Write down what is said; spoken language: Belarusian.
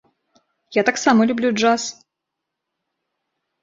Я таксама люблю джаз.